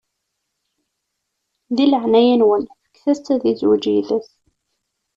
Di leɛnaya-nwen, fket-as-tt ad izweǧ yid-s.